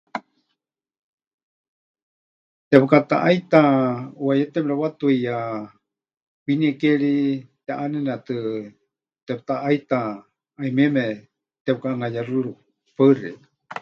Tepɨkataʼaita ʼuayéte mɨrewatuiya, kwinie ke ri teʼanenétɨ tepɨtaʼaita, 'ayumieme tepɨkaʼanayexɨrɨwe.